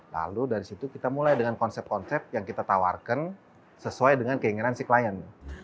lalu dari situ kita mulai dengan konsep konsep yang kita tawarkan sesuai dengan keinginan si klien